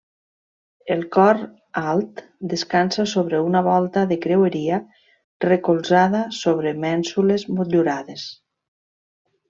El cor alt descansa sobre una volta de creueria recolzada sobre mènsules motllurades.